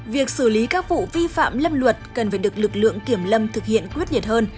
việc xử lý các vụ vi phạm lâm luật cần phải được lực lượng kiểm lâm thực hiện quyết liệt hơn